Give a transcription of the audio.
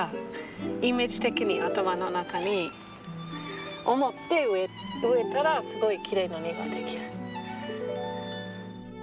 イメージ的に頭の中に思って植えたらすごいきれいな庭が出来る。